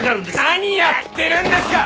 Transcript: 何やってるんですか！